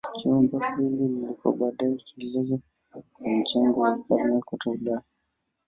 Jumba hili lilikuwa baadaye kielelezo kwa majengo ya wafalme kote Ulaya.